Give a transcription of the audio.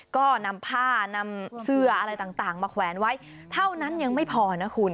ก็นำผ้านำเสื้ออะไรต่างมาแขวนไว้เท่านั้นยังไม่พอนะคุณ